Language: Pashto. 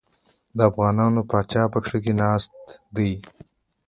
د افغانانو پاچا پکښې ناست دی.